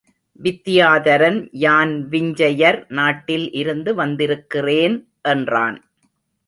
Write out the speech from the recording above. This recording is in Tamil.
வித்தியாதரன் யான் விஞ்சையர் நாட்டில் இருந்து வந்திருக்கிறேன் என்றான்.